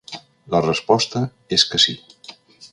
La resposta és que sí.